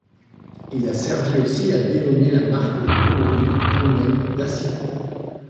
Il a servi aussi à dénommer la marque d'automobiles roumaines Dacia.